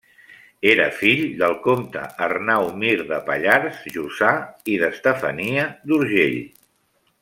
Era fill del comte Arnau Mir de Pallars Jussà i d'Estefania d'Urgell.